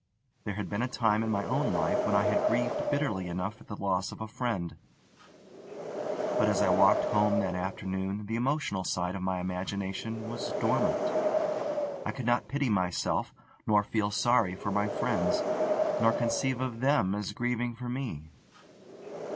There had been a time in my own life when I had grieved bitterly enough at the loss of a friend; but as I walked home that afternoon the emotional side of my imagination was dormant. I could not pity myself, nor feel sorry for my friends, nor conceive of them as grieving for me.